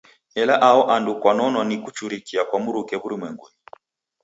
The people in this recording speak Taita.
Ela aho andu kwanonwa ni kuchurikia kwa mruke w'urumwengunyi.